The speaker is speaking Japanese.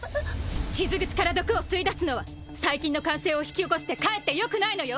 傷口から毒を吸い出すのは細菌の感染を引き起こしてかえって良くないのよ！